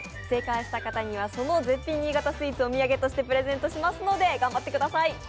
正解した方には、その絶品新潟スイーツをお土産としてプレゼントしますので、頑張ってください。